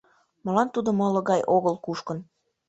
Молан тудо моло гай огыл кушкын?..